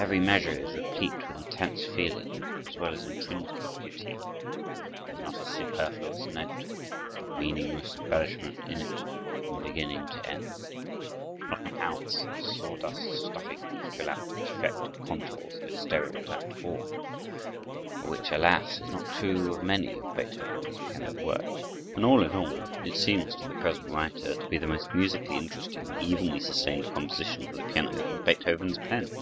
Every measure is replete with intense feeling as well as intrinsic beauty. There is not a superfluous note or a meaningless embellishment in it from beginning to end; not an ounce of sawdust stuffing to fill out the defective contours of a stereotyped form—which, alas! is not true of many of Beethoven's piano works; and, all in all, it seems to the present writer to be the most musically interesting and evenly sustained composition for the piano from Beethoven's pen.